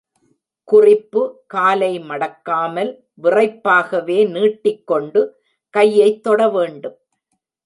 குறிப்பு காலை மடக்காமல் விறைப்பாகவே நீட்டிக்கொண்டு கையைத் தொட வேண்டும்.